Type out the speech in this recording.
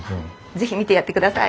是非見てやってください。